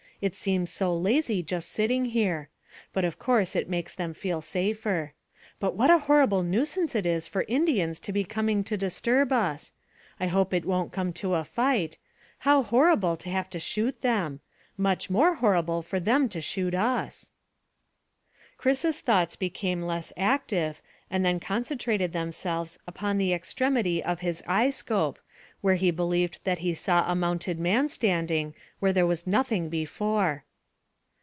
It seems so lazy just sitting here. But of course it makes them feel safer. But what a horrible nuisance it is for Indians to be coming to disturb us. I hope it won't come to a fight. How horrible to have to shoot them! Much more horrible for them to shoot us." Chris's thoughts became less active, and then concentrated themselves upon the extremity of his eye scope, where he believed that he saw a mounted man standing where there was nothing before.